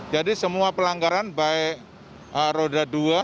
jadi semua pelanggaran baik roda dua